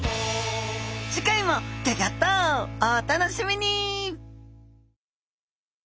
次回もギョギョッとお楽しみに！